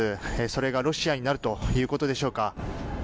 それがロシアになるということでしょうか。